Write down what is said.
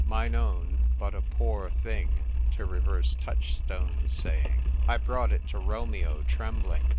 Mine own, but a poor thing, to reverse Touchstone's saying : I brought it to Romeo, trembling.